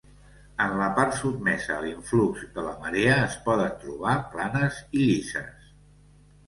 En la part sotmesa a l'influx de la marea es poden trobar planes i llisses.